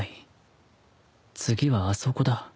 次はあそこだ。